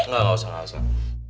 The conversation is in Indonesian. nggak nggak usah nggak usah